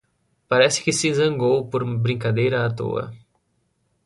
Parece que se zangou por uma brincadeira à toa